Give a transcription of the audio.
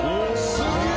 すげえ！